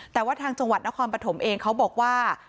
แต่ว่าทางจังหวัดนครปฐมเองเขาบอกว่า